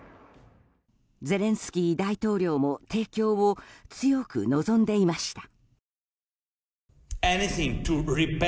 ゼレンスキー大統領も提供を強く望んでいました。